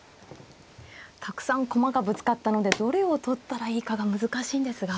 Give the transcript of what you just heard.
たくさん駒がぶつかったのでどれを取ったらいいかが難しいんですが。